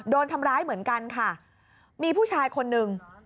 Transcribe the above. โดนทำร้ายเหมือนกันค่ะมีผู้ชายคนหนึ่ง